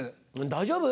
大丈夫？